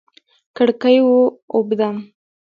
کړکۍ و اوبدم